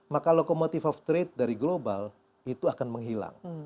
maka lokomotif of trade dari global itu akan menghilang